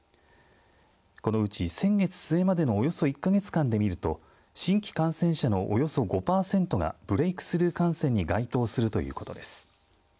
このうち先月末までのおよそ１か月間でみると新規感染者のおよそ５パーセントがブレイクスルー感染に該当するということです。